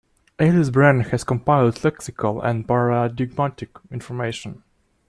Alice Brean has compiled lexical and paradigmatic information.